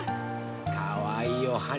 かわいいおはなだね。